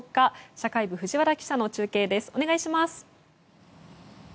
社会部、藤原記者の中継です。